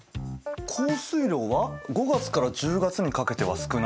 降水量は５月から１０月にかけては少ない。